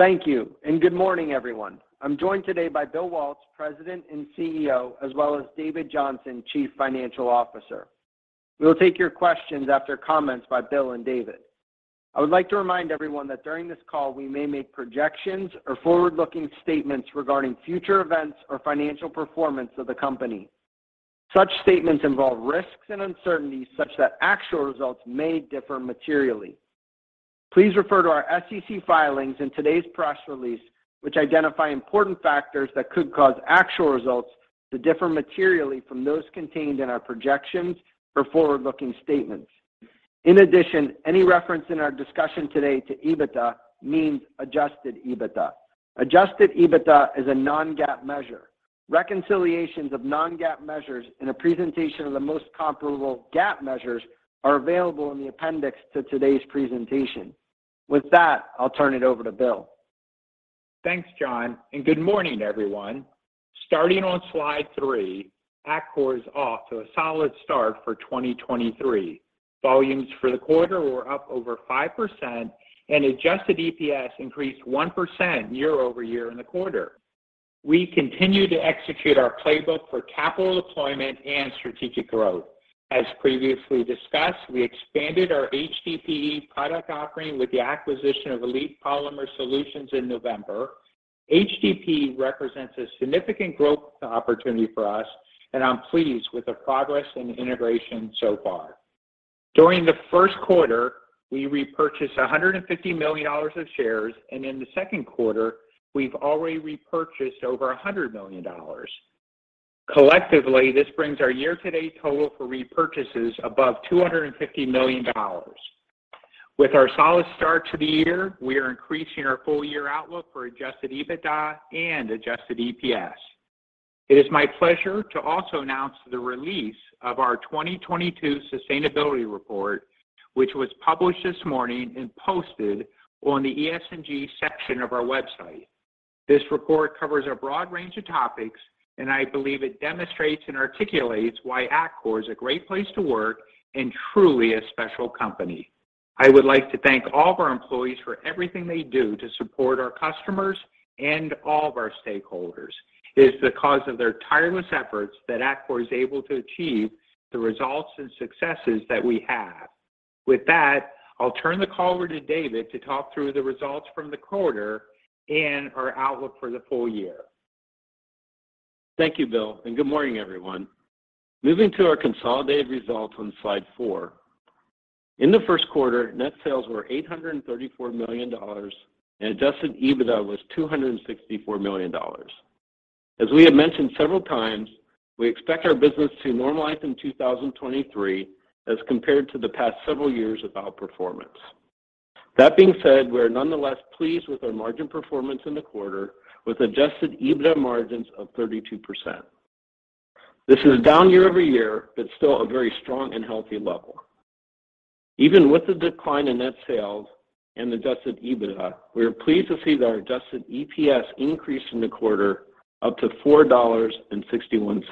Thank you. Good morning, everyone. I'm joined today by Bill Waltz, President and CEO, as well as David Johnson, Chief Financial Officer. We will take your questions after comments by Bill and David. I would like to remind everyone that during this call, we may make projections or forward-looking statements regarding future events or financial performance of the company. Such statements involve risks and uncertainties such that actual results may differ materially. Please refer to our SEC filings in today's press release, which identify important factors that could cause actual results to differ materially from those contained in our projections for forward-looking statements. In addition, any reference in our discussion today to EBITDA means Adjusted EBITDA. Adjusted EBITDA is a non-GAAP measure. Reconciliations of non-GAAP measures and a presentation of the most comparable GAAP measures are available in the appendix to today's presentation. With that, I'll turn it over to Bill. Thanks, John. Good morning, everyone. Starting on slide 3, Atkore is off to a solid start for 2023. Volumes for the quarter were up over 5% and Adjusted EPS increased 1% year-over-year in the quarter. We continue to execute our playbook for capital deployment and strategic growth. As previously discussed, we expanded our HDPE product offering with the acquisition of Elite Polymer Solutions in November. HDPE represents a significant growth opportunity for us, and I'm pleased with the progress and integration so far. During the first quarter, we repurchased $150 million of shares, and in the second quarter, we've already repurchased over $100 million. Collectively, this brings our year-to-date total for repurchases above $250 million. With our solid start to the year, we are increasing our full-year outlook for Adjusted EBITDA and Adjusted EPS. It is my pleasure to also announce the release of our 2022 sustainability report, which was published this morning and posted on the ESG section of our website. This report covers a broad range of topics, and I believe it demonstrates and articulates why Atkore is a great place to work and truly a special company. I would like to thank all of our employees for everything they do to support our customers and all of our stakeholders. It is the cause of their tireless efforts that Atkore is able to achieve the results and successes that we have. With that, I'll turn the call over to David to talk through the results from the quarter and our outlook for the full year. Thank you, Bill. Good morning, everyone. Moving to our consolidated results on slide four. In the first quarter, net sales were $834 million and Adjusted EBITDA was $264 million. As we have mentioned several times, we expect our business to normalize in 2023 as compared to the past several years of outperformance. That being said, we are nonetheless pleased with our margin performance in the quarter with Adjusted EBITDA margins of 32%. This is down year-over-year, but still a very strong and healthy level. Even with the decline in net sales and Adjusted EBITDA, we are pleased to see that our Adjusted EPS increase in the quarter up to $4.61.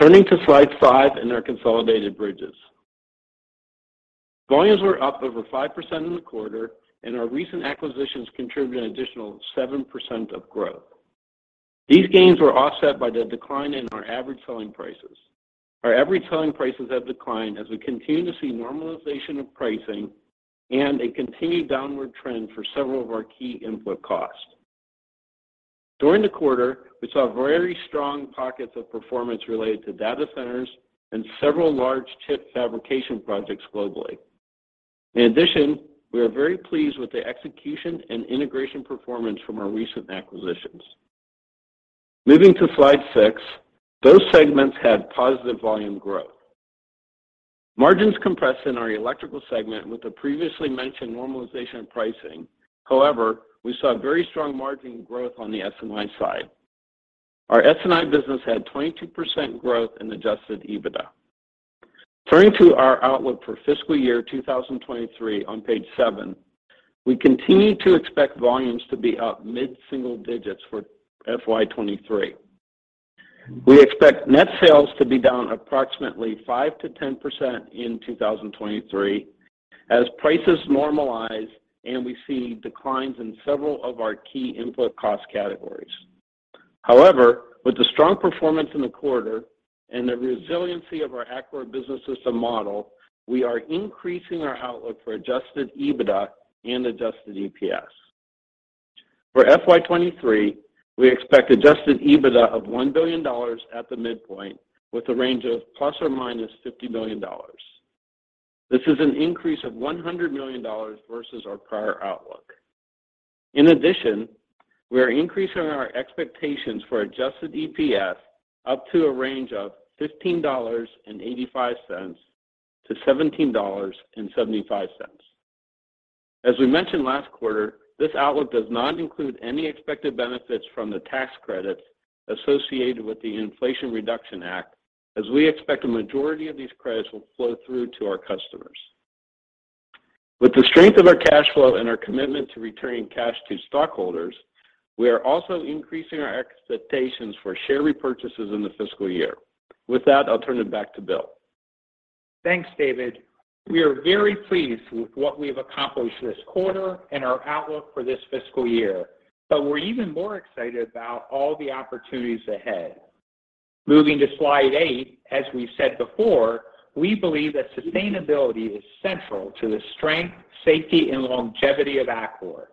Turning to slide five in our consolidated bridges. Volumes were up over 5% in the quarter and our recent acquisitions contributed an additional 7% of growth. These gains were offset by the decline in our average selling prices. Our average selling prices have declined as we continue to see normalization of pricing and a continued downward trend for several of our key input costs. During the quarter, we saw very strong pockets of performance related to data centers and several large chip fabrication projects globally. In addition, we are very pleased with the execution and integration performance from our recent acquisitions. Moving to slide 6, those segments had positive volume growth. Margins compressed in our electrical segment with the previously mentioned normalization pricing. However, we saw a very strong margin growth on the S&I side. Our S&I business had 22% growth in Adjusted EBITDA. Turning to our outlook for fiscal year 2023 on page 7, we continue to expect volumes to be up mid-single digits for FY23. We expect net sales to be down approximately 5%-10% in 2023 as prices normalize and we see declines in several of our key input cost categories. With the strong performance in the quarter and the resiliency of our Atkore Business System model, we are increasing our outlook for Adjusted EBITDA and Adjusted EPS. For FY23, we expect Adjusted EBITDA of $1 billion at the midpoint with a range of ±$50 million. This is an increase of $100 million versus our prior outlook. We are increasing our expectations for Adjusted EPS up to a range of $15.85-$17.75. As we mentioned last quarter, this outlook does not include any expected benefits from the tax credits associated with the Inflation Reduction Act, as we expect a majority of these credits will flow through to our customers. With the strength of our cash flow and our commitment to returning cash to stockholders, we are also increasing our expectations for share repurchases in the fiscal year. With that, I'll turn it back to Bill. Thanks, David. We are very pleased with what we have accomplished this quarter and our outlook for this fiscal year. We're even more excited about all the opportunities ahead. Moving to slide eight, as we've said before, we believe that sustainability is central to the strength, safety, and longevity of Atkore.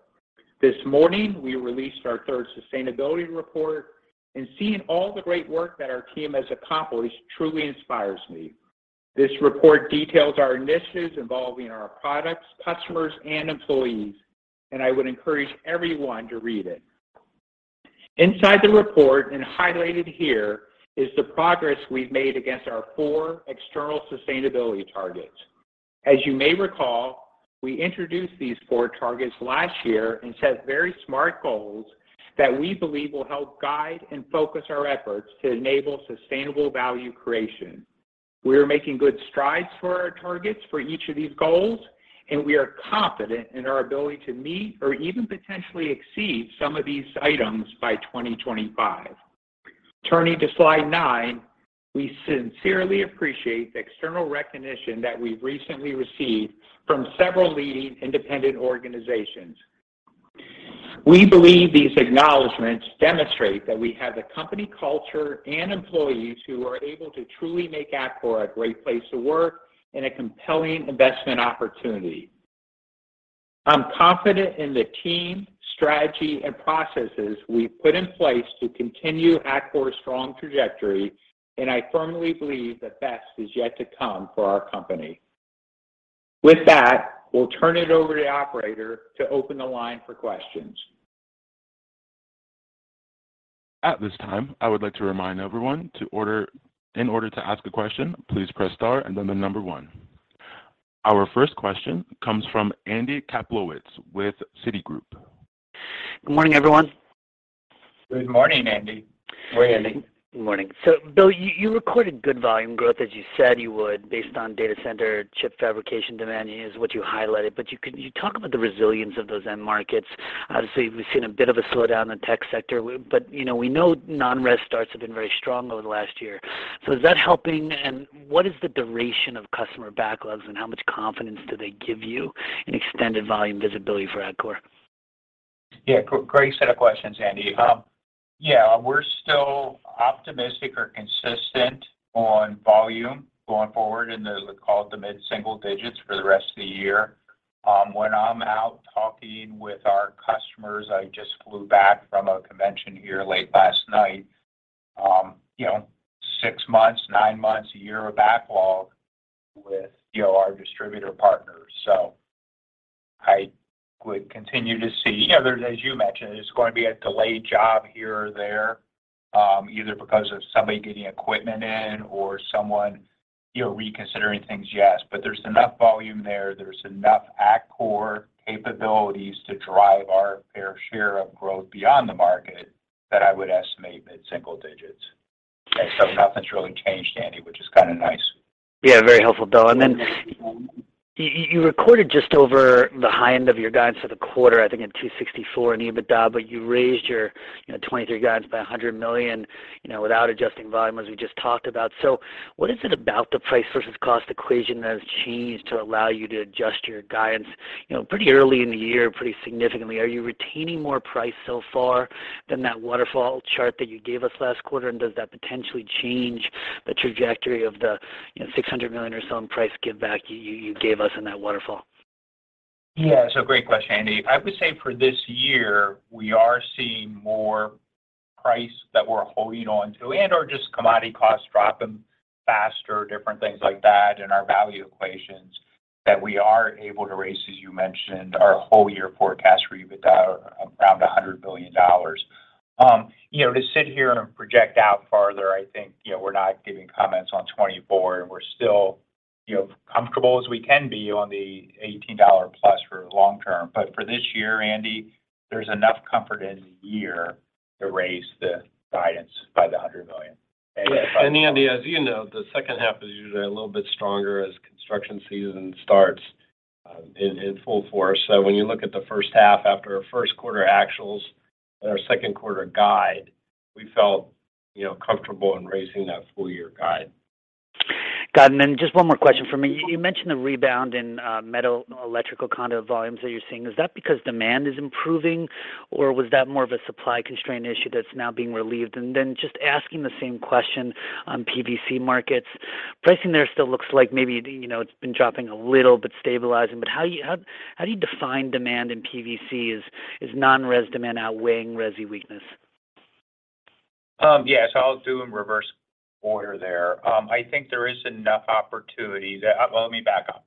This morning, we released our third sustainability report, and seeing all the great work that our team has accomplished truly inspires me. This report details our initiatives involving our products, customers, and employees, and I would encourage everyone to read it. Inside the report, and highlighted here, is the progress we've made against our four external sustainability targets. As you may recall, we introduced these four targets last year and set very smart goals that we believe will help guide and focus our efforts to enable sustainable value creation. We are making good strides for our targets for each of these goals, and we are confident in our ability to meet or even potentially exceed some of these items by 2025. Turning to slide 9, we sincerely appreciate the external recognition that we've recently received from several leading independent organizations. We believe these acknowledgements demonstrate that we have the company culture and employees who are able to truly make Atkore a great place to work and a compelling investment opportunity. I'm confident in the team, strategy, and processes we've put in place to continue Atkore's strong trajectory, and I firmly believe the best is yet to come for our company. With that, we'll turn it over to the operator to open the line for questions. At this time, I would like to remind everyone in order to ask a question, please press star and then the number one. Our first question comes from Andy Kaplowitz with Citigroup. Good morning, everyone. Good morning, Andy. Morning, Andy. Good morning. Bill, you recorded good volume growth as you said you would based on data center chip fabrication demand is what you highlighted. Could you talk about the resilience of those end markets? Obviously, we've seen a bit of a slowdown in the tech sector, but, you know, we know non-res starts have been very strong over the last year. Is that helping, and what is the duration of customer backlogs, and how much confidence do they give you in extended volume visibility for Atkore? Great set of questions, Andy. We're still optimistic or consistent on volume going forward, they'll call it the mid-single digits for the rest of the year. When I'm out talking with our customers, I just flew back from a convention here late last night, you know, six months, nine months, a year of backlog with, you know, our distributor partners. I would continue to see. You know, there's, as you mentioned, there's going to be a delayed job here or there, either because of somebody getting equipment in or someone, you know, reconsidering things, yes. There's enough volume there's enough Atkore capabilities to drive our fair share of growth beyond the market that I would estimate mid-single digits. Nothing's really changed, Andy, which is kind of nice. Very helpful, Bill. You recorded just over the high end of your guidance for the quarter, I think at $264 million in EBITDA, but you raised your, you know, 2023 guidance by $100 million, you know, without adjusting volume as we just talked about. What is it about the price versus cost equation that has changed to allow you to adjust your guidance, you know, pretty early in the year pretty significantly? Are you retaining more price so far than that waterfall chart that you gave us last quarter, and does that potentially change the trajectory of the, you know, $600 million or so in price giveback you gave us in that waterfall? Great question, Andy. I would say for this year, we are seeing more price that we're holding on to and/or just commodity costs dropping faster, different things like that in our value equations that we are able to raise, as you mentioned, our whole year forecast for EBITDA around $100 billion. you know, to sit here and project out farther, I think, you know, we're not giving comments on 2024, and we're still, you know, comfortable as we can be on the $18-plus for long term. For this year, Andy, there's enough comfort in the year to raise the guidance by $100 million. Andy, as you know, the second half is usually a little bit stronger as construction season starts, in full force. When you look at the first half after our first quarter actuals and our second quarter guide, we felt, you know, comfortable in raising that full year guide. Got it. Just one more question for me. You mentioned the rebound in metal electrical conduit volumes that you're seeing. Is that because demand is improving, or was that more of a supply constraint issue that's now being relieved? Just asking the same question on PVC markets. Pricing there still looks like maybe, you know, it's been dropping a little but stabilizing. How do you how do you define demand in PVC? Is non-res demand outweighing resi weakness? Yes, I'll do in reverse order there. I think there is enough opportunity. Well, let me back up.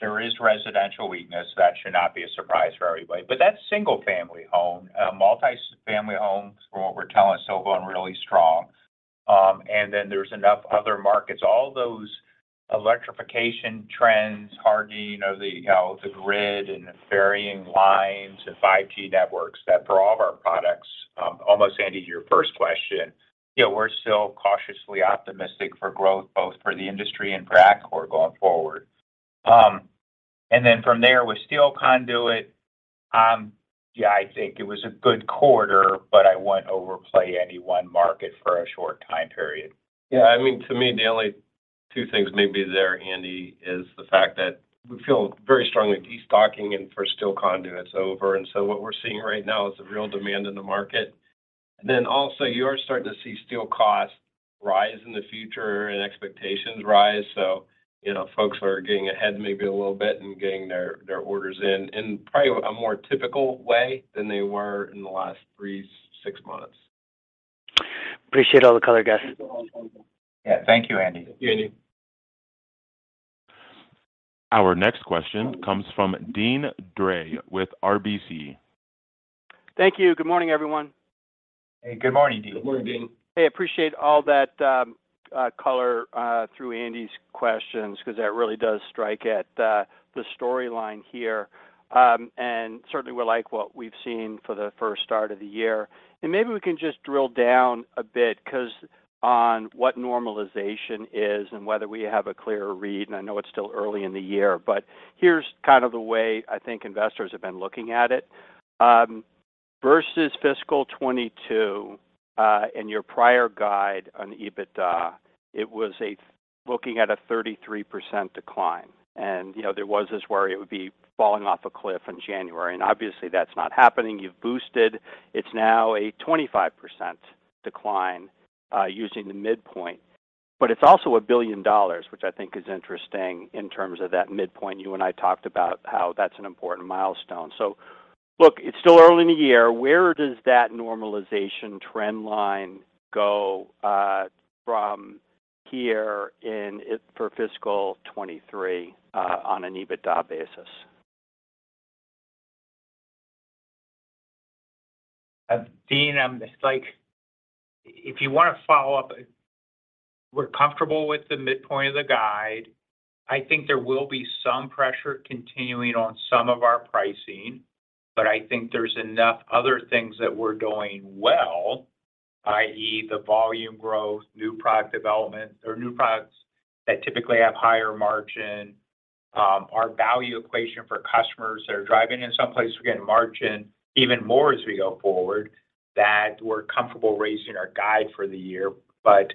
There is residential weakness. That should not be a surprise for everybody. But that's single-family home. Multi-family homes, from what we're telling, still going really strong. Then there's enough other markets. All those electrification trends, hardening of the, you know, the grid and burying lines and 5G networks that for all of our products, almost, Andy, to your first question, you know, we're still cautiously optimistic for growth both for the industry and for Atkore going forward. Then from there with steel conduit, yeah, I think it was a good quarter, but I wouldn't overplay any one market for a short time period. Yeah, I mean, to me, the only two things maybe there, Andy, is the fact that we feel very strongly destocking and for steel conduits over. What we're seeing right now is the real demand in the market. Also you're starting to see steel costs rise in the future and expectations rise. You know, folks are getting ahead maybe a little bit and getting their orders in probably a more typical way than they were in the last three, six months. Appreciate all the color, guys. Yeah. Thank you, Andy. Thank you, Andy. Our next question comes from Deane Dray with RBC. Thank you. Good morning, everyone. Hey, good morning, Deane. Good morning, Deane. Hey, appreciate all that color through Andy's questions 'cause that really does strike at the storyline here. Certainly we like what we've seen for the first start of the year. Maybe we can just drill down a bit 'cause on what normalization is and whether we have a clearer read, and I know it's still early in the year, but here's kind of the way I think investors have been looking at it. Versus Fiscal 2022, in your prior guide on EBITDA, it was looking at a 33% decline and, you know, there was this worry it would be falling off a cliff in January. Obviously that's not happening. You've boosted. It's now a 25% decline using the midpoint, but it's also $1 billion, which I think is interesting in terms of that midpoint. You and I talked about how that's an important milestone. Look, it's still early in the year. Where does that normalization trend line go from here in for fiscal '23 on an EBITDA basis? Deane, if you wanna follow up, we're comfortable with the midpoint of the guide. I think there will be some pressure continuing on some of our pricing, but I think there's enough other things that we're doing well, i.e., the volume growth, new product development, or new products that typically have higher margin, our value equation for customers that are driving in some place, we're getting margin even more as we go forward, that we're comfortable raising our guide for the year, but...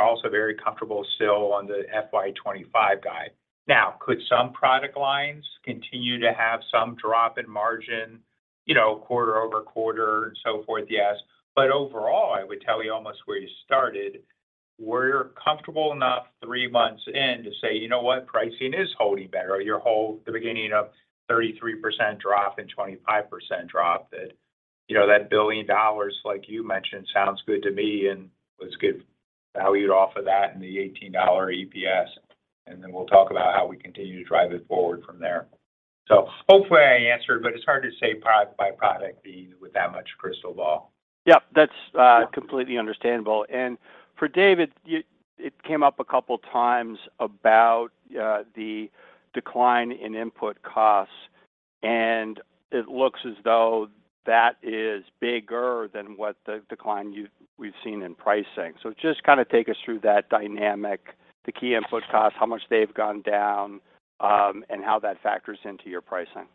Also very comfortable still on the FY25 guide. Now, could some product lines continue to have some drop in margin, you know, quarter over quarter and so forth? Yes. Overall, I would tell you almost where you started, we're comfortable enough three months in to say, "You know what? Pricing is holding better." The beginning of 33% drop and 25% drop that, you know, that $1 billion, like you mentioned, sounds good to me and let's give value off of that and the $18 EPS, and then we'll talk about how we continue to drive it forward from there. Hopefully I answered, but it's hard to say pro-by-product, Deane, with that much crystal ball. Yep. That's completely understandable. For David, it came up a couple times about the decline in input costs, and it looks as though that is bigger than what the decline we've seen in pricing. Just kinda take us through that dynamic, the key input costs, how much they've gone down, and how that factors into your pricing.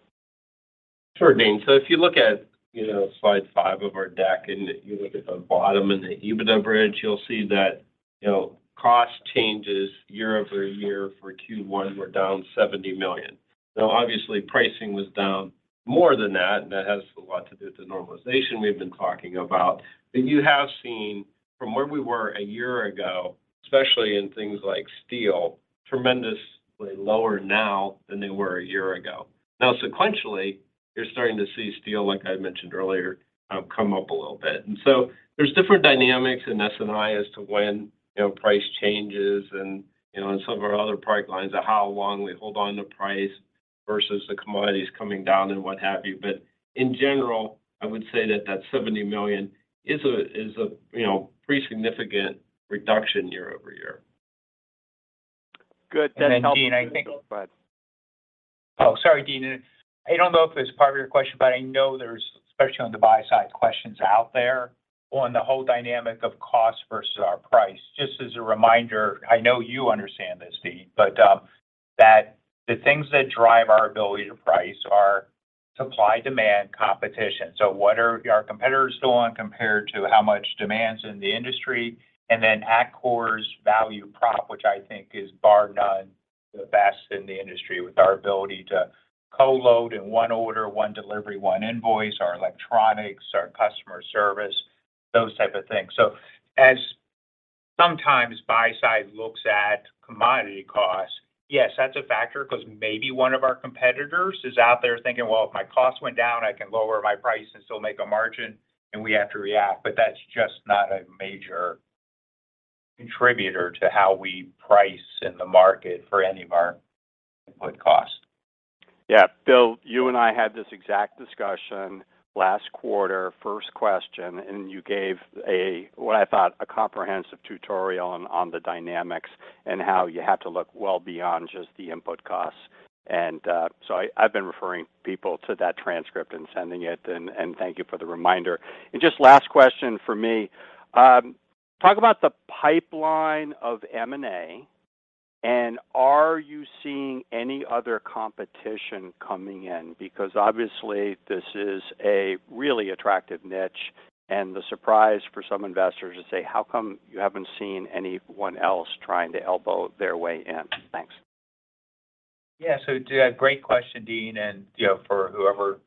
Sure, Deane. If you look at, you know, slide 5 of our deck and you look at the bottom in the EBITDA bridge, you'll see that, you know, cost changes year-over-year for Q1 were down $70 million. Obviously, pricing was down more than that, and that has a lot to do with the normalization we've been talking about. You have seen from where we were a year ago, especially in things like steel, tremendously lower now than they were a year ago. Sequentially, you're starting to see steel, like I mentioned earlier, come up a little bit. There's different dynamics in S&I as to when, you know, price changes and, you know, in some of our other product lines of how long we hold on to price versus the commodities coming down and what have you. In general, I would say that that $70 million is a, you know, pretty significant reduction year-over-year. Good. That helps. And then Dean, I think- Go ahead. Sorry, Deane. I don't know if it's part of your question, but I know there's, especially on the buy side, questions out there on the whole dynamic of cost versus our price. Just as a reminder, I know you understand this, Deane, but the things that drive our ability to price are supply-demand competition. What are our competitors doing compared to how much demand's in the industry? Atkore's value prop, which I think is bar none the best in the industry with our ability to co-load in one order, one delivery, one invoice, our electronics, our customer service, those type of things. As sometimes buy side looks at commodity costs, yes, that's a factor 'cause maybe one of our competitors is out there thinking, "Well, if my costs went down, I can lower my price and still make a margin," and we have to react. That's just not a major contributor to how we price in the market for any of our input costs. Yeah. Bill, you and I had this exact discussion last quarter, first question, and you gave a, what I thought, a comprehensive tutorial on the dynamics and how you have to look well beyond just the input costs. So I've been referring people to that transcript and sending it and thank you for the reminder. Just last question for me. Talk about the pipeline of M&A, and are you seeing any other competition coming in? Because obviously this is a really attractive niche, and the surprise for some investors to say, "How come you haven't seen anyone else trying to elbow their way in?" Thanks. Yeah. Great question, Deane, and you know, for whoever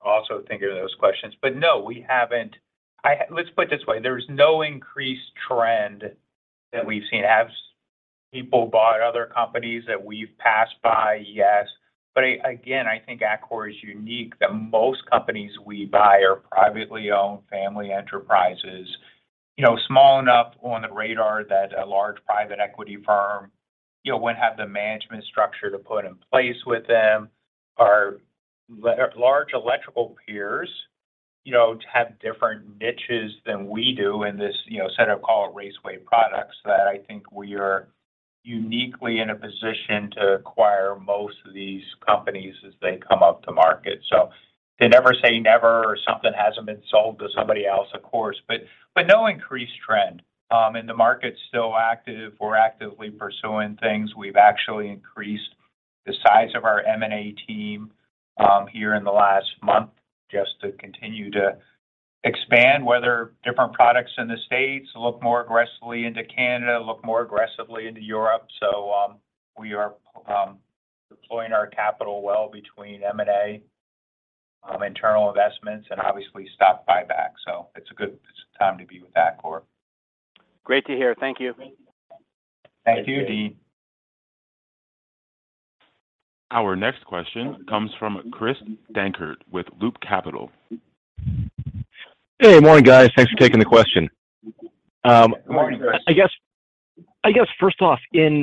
also thinking of those questions. No, we haven't. Let's put it this way. There is no increased trend that we've seen. Have people bought other companies that we've passed by? Yes. Again, I think Atkore is unique that most companies we buy are privately owned family enterprises, you know, small enough on the radar that a large private equity firm, you know, wouldn't have the management structure to put in place with them. Our large electrical peers, you know, have different niches than we do in this, you know, set of call it raceway products that I think we are uniquely in a position to acquire most of these companies as they come up to market. To never say never or something hasn't been sold to somebody else, of course, but no increased trend. The market's still active. We're actively pursuing things. We've actually increased the size of our M&A team here in the last month just to continue to expand, whether different products in the States, look more aggressively into Canada, look more aggressively into Europe. We are deploying our capital well between M&A, internal investments, and obviously stock buyback. It's a good time to be with Atkore. Great to hear. Thank you. Thank you, Dean. Our next question comes from Chris Dankert with Loop Capital. Hey, morning, guys. Thanks for taking the question. Morning, Chris. I guess first off, in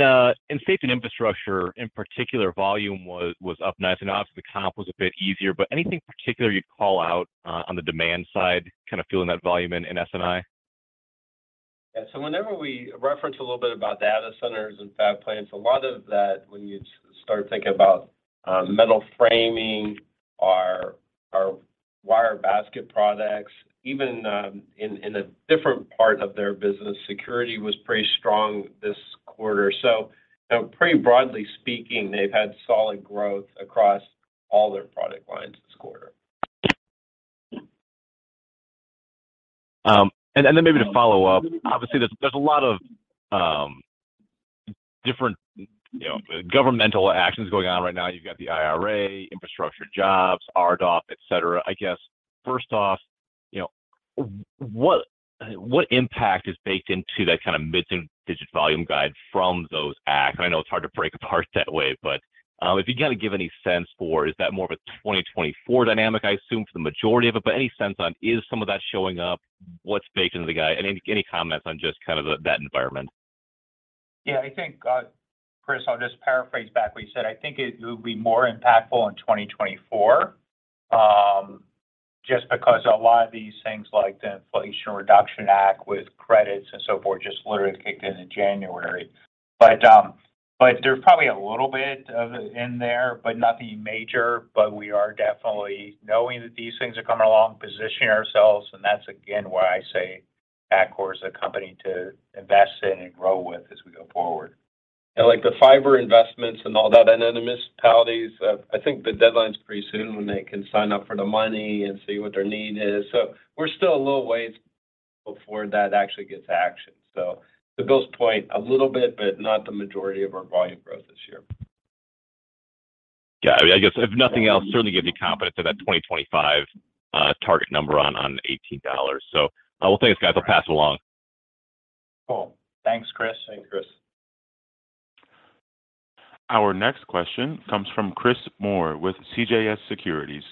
Safety & Infrastructure in particular, volume was up nice. And obviously the comp was a bit easier, but anything particular you'd call out, on the demand side kind of fueling that volume in S&I? Whenever we reference a little bit about data centers and fab plants, a lot of that when you start thinking about, metal framing our wire basket products, even, in a different part of their business, security was pretty strong this quarter. You know, pretty broadly speaking, they've had solid growth across all their product lines this quarter. Then maybe to follow up, obviously there's a lot of different, you know, governmental actions going on right now. You've got the IRA, infrastructure jobs, RDOF, et cetera. I guess first off, you know, what impact is baked into that kind of mid-single-digit volume guide from those acts? I know it's hard to break apart that way, but if you can give any sense for is that more of a 2024 dynamic, I assume for the majority of it, but any sense on is some of that showing up? What's baked into the guide? Any comments on just kind of that environment? Yeah, I think Chris, I'll just paraphrase back what you said. I think it will be more impactful in 2024, just because a lot of these things like the Inflation Reduction Act with credits and so forth just literally kicked in in January. There's probably a little bit of it in there, but nothing major. We are definitely knowing that these things are coming along, positioning ourselves, and that's again why I say Atkore is a company to invest in and grow with as we go forward. Like the fiber investments and all that in the municipalities, I think the deadline's pretty soon when they can sign up for the money and see what their need is. We're still a little ways before that actually gets action. To Bill's point, a little bit, but not the majority of our volume growth this year. Yeah. I guess if nothing else, certainly gives you confidence in that 2025 target number on $18. Well, thanks guys. I'll pass along. Cool. Thanks, Chris. Thanks, Chris. Our next question comes from Chris Moore with CJS Securities.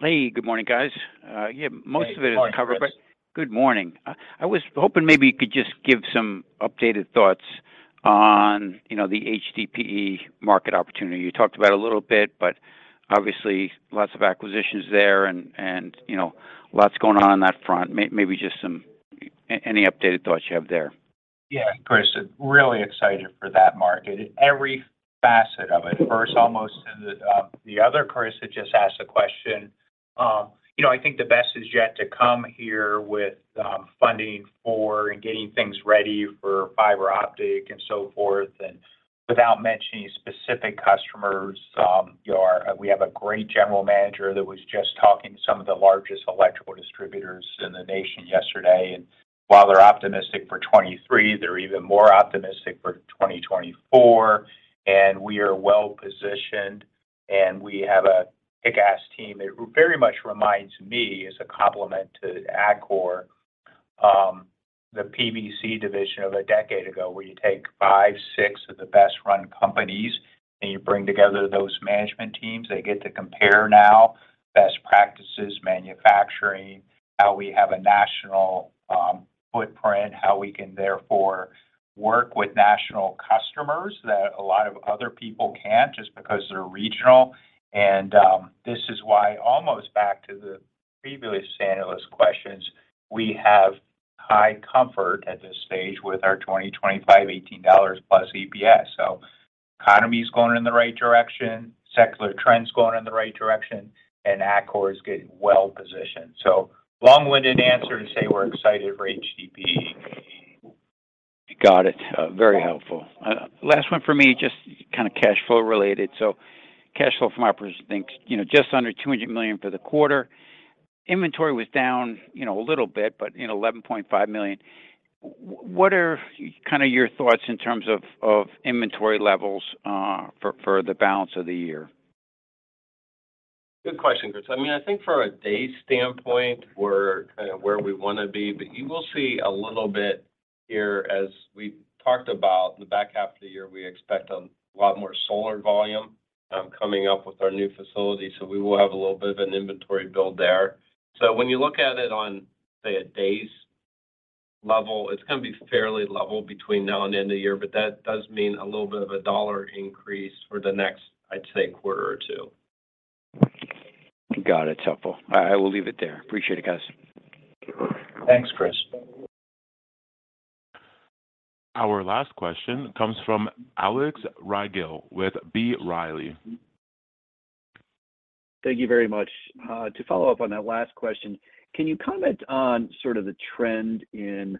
Hey, good morning, guys. Yeah, most of it is. Good morning, Chris. Good morning. I was hoping maybe you could just give some updated thoughts on, you know, the HDPE market opportunity. You talked about it a little bit, but obviously lots of acquisitions there and, you know, lots going on on that front. any updated thoughts you have there? Yeah, Chris, really excited for that market. Every facet of it. First, almost to the other Chris that just asked a question, you know, I think the best is yet to come here with funding for and getting things ready for fiber optic and so forth. Without mentioning specific customers, you know, we have a great general manager that was just talking to some of the largest electrical distributors in the nation yesterday. While they're optimistic for 23, they're even more optimistic for 2024. We are well-positioned, and we have a kickass team. It very much reminds me as a compliment to Atkore, the PVC division of a decade ago, where you take five, six of the best run companies, and you bring together those management teams. They get to compare now best practices, manufacturing, how we have a national footprint, how we can therefore work with national customers that a lot of other people can't just because they're regional. This is why almost back to the previous analyst questions, we have high comfort at this stage with our 2025 $18+ EPS. economy is going in the right direction, secular trends going in the right direction, and Atkore is getting well-positioned. long-winded answer to say we're excited for HDPE. Got it. Very helpful. Last one for me, just kinda cash flow related. Cash flow from operations, you know, just under $200 million for the quarter. Inventory was down, you know, a little bit, but, you know, $11.5 million. What are kinda your thoughts in terms of inventory levels, for the balance of the year? Good question, Chris. I mean, I think from a day standpoint, we're kinda where we wanna be. You will see a little bit here as we talked about the back half of the year, we expect a lot more solar volume coming up with our new facility, so we will have a little bit of an inventory build there. When you look at it on, say, a days level, it's gonna be fairly level between now and end of year, but that does mean a little bit of a dollar increase for the next, I'd say, quarter or two. Got it. It's helpful. I will leave it there. Appreciate it, guys. Thanks, Chris. Our last question comes from Alex Rygiel with B. Riley. Thank you very much. To follow up on that last question, can you comment on sort of the trend in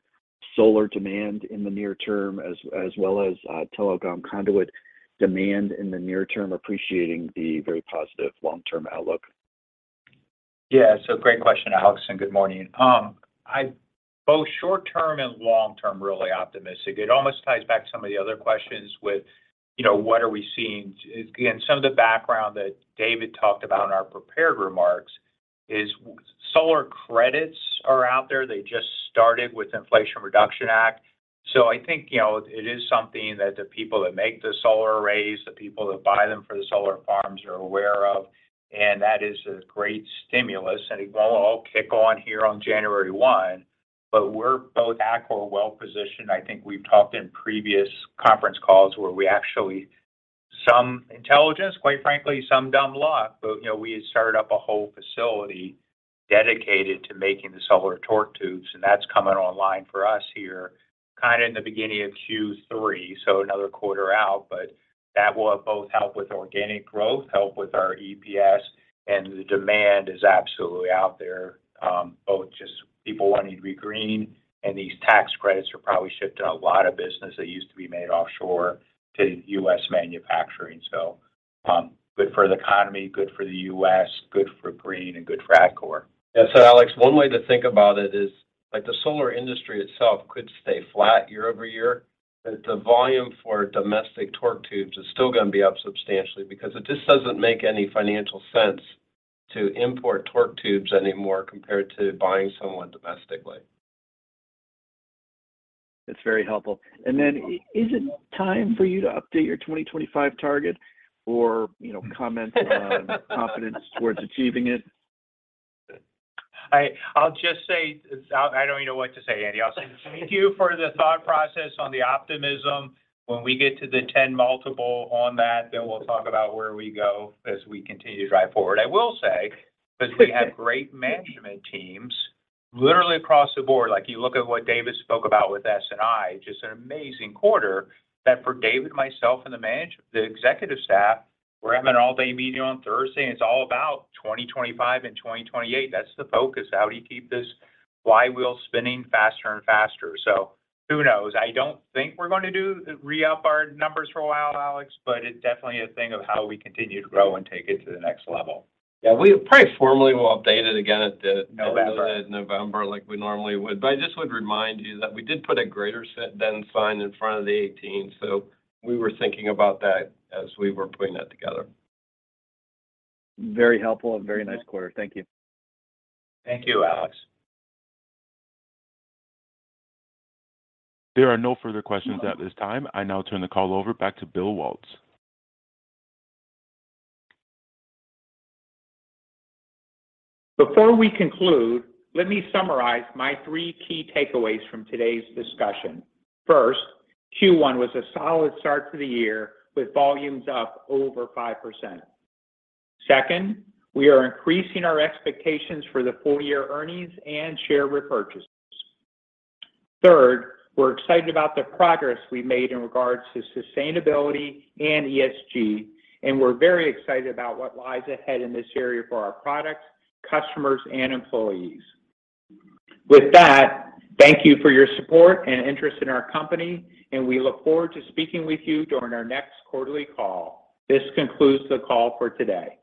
solar demand in the near term as well as telecom conduit demand in the near term, appreciating the very positive long-term outlook? Yeah. Great question, Alex, and good morning. Both short-term and long-term, really optimistic. It almost ties back some of the other questions with, you know, what are we seeing. Again, some of the background that David talked about in our prepared remarks is solar credits are out there. They just started with Inflation Reduction Act. I think, you know, it is something that the people that make the solar arrays, the people that buy them for the solar farms are aware of, and that is a great stimulus, and it won't all kick on here on January one. We're both Atkore well-positioned. I think we've talked in previous conference calls where we actually. Some intelligence, quite frankly, some dumb luck. you know, we started up a whole facility dedicated to making the solar torque tubes, and that's coming online for us here kinda in the beginning of Q3, so another quarter out. That will both help with organic growth, help with our EPS, and the demand is absolutely out there. Both just people wanting to be green and these tax credits are probably shifting a lot of business that used to be made offshore to U.S. manufacturing. Good for the economy, good for the U.S., good for green, and good for Atkore. Yeah. Alex, one way to think about it is like the solar industry itself could stay flat year-over-year, but the volume for domestic torque tubes is still gonna be up substantially because it just doesn't make any financial sense to import torque tubes anymore compared to buying someone domestically. That's very helpful. Is it time for you to update your 2025 target or, you know, comment on confidence towards achieving it? I'll just say. I don't even know what to say, Andy. I'll say thank you for the thought process on the optimism. When we get to the 10 multiple on that, then we'll talk about where we go as we continue to drive forward. I will say, because we have great management teams literally across the board. Like, you look at what David spoke about with S&I, just an amazing quarter that for David, myself and the executive staff, we're having an all-day meeting on Thursday, and it's all about 2025 and 2028. That's the focus. How do you keep this flywheel spinning faster and faster? Who knows? I don't think we're gonna re-up our numbers for a while, Alex, but it's definitely a thing of how we continue to grow and take it to the next level. Yeah. We probably formally will update it again at the- November. November like we normally would. I just would remind you that we did put a greater than sign in front of the 18, so we were thinking about that as we were putting that together. Very helpful and very nice quarter. Thank you. Thank you, Alex. There are no further questions at this time. I now turn the call over back to Bill Waltz. Before we conclude, let me summarize my three key takeaways from today's discussion. First, Q1 was a solid start to the year with volumes up over 5%. Second, we are increasing our expectations for the full year earnings and share repurchases. Third, we're excited about the progress we made in regards to sustainability and ESG, and we're very excited about what lies ahead in this area for our products, customers, and employees. With that, thank you for your support and interest in our company, and we look forward to speaking with you during our next quarterly call. This concludes the call for today.